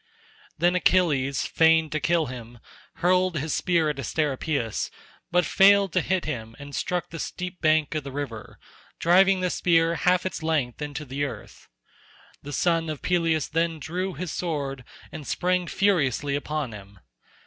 Then Achilles, fain to kill him, hurled his spear at Asteropaeus, but failed to hit him and struck the steep bank of the river, driving the spear half its length into the earth. The son of Peleus then drew his sword and sprang furiously upon him.